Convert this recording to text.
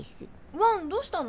ワンどうしたの？